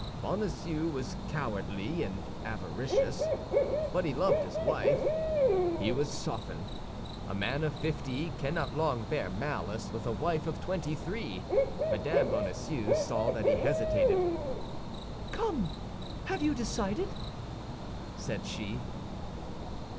Bonacieux was cowardly and avaricious, but he loved his wife. He was softened. A man of fifty cannot long bear malice with a wife of twenty three. Mme. Bonacieux saw that he hesitated. "Come! Have you decided?" said she.